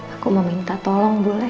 aku mau minta tolong boleh